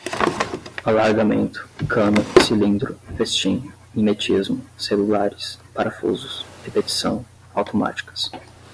alargamento, cano, cilindro, festim, mimetismo, celulares, parafusos, repetição, automáticas